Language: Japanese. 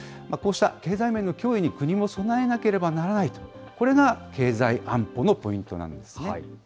こうした経済面の脅威に、国も備えなければならないと、これが経済安保のポイントなんですね。